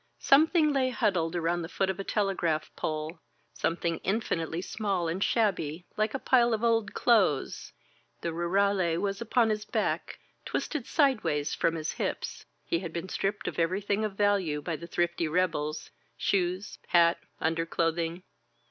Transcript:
Something lay huddled around the foot of a telegraph pole — ^something infinitely small and shabby, like a pile of old clothes. The rurale was upon his back, twisted sideways from his hips. He had been stripped of everything of value by the thrifty rebels — ^shoes, hat, underclothing.